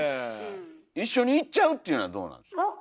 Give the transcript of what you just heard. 一緒に行っちゃうっていうのはどうなんですか？